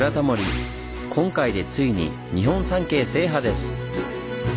今回でついに日本三景制覇です！